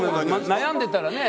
悩んでたらね。